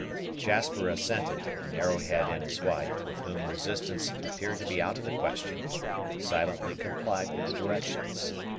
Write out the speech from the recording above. Jasper assented, and Arrowhead and his wife, with whom resistance appeared to be out of the question, silently complied with the directions.